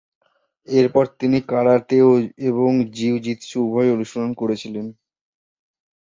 এর পরে তিনি কারাতে এবং জিউ-জিতসু উভয়ই অনুশীলন শুরু করেছিলেন।